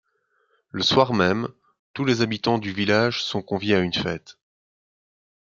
Le soir même, tous les habitants du village sont conviés à une fête.